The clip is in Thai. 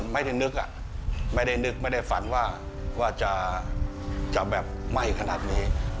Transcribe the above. ไม่ได้นึกไม่ได้หลักหฝันว่าจะแบบไหม้ขนาดนี้